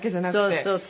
そうそうそう。